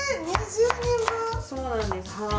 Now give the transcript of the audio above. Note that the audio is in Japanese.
そうなんですはい。